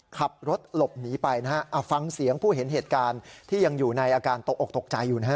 ขับรถหลบหนีไปนะฮะเอาฟังเสียงผู้เห็นเหตุการณ์ที่ยังอยู่ในอาการตกออกตกใจอยู่นะฮะ